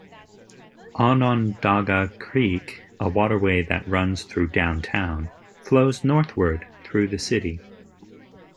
Onondaga Creek, a waterway that runs through downtown, flows northward through the city.